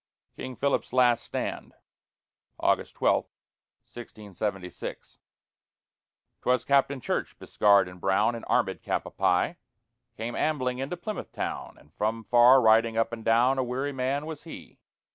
KING PHILIP'S LAST STAND [August 12, 1676] 'Twas Captain Church, bescarred and brown, And armèd cap a pie. Came ambling into Plymouth town; And from far riding up and down A weary man was he.